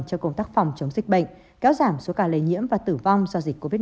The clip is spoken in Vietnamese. cho công tác phòng chống dịch bệnh kéo giảm số ca lây nhiễm và tử vong do dịch covid một mươi chín